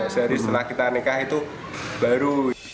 sehari setelah kita nikah itu baru